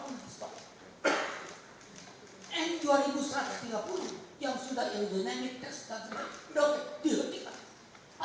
n dua ribu satu ratus tiga puluh yang sudah ergonamik terstabil doket dihentikan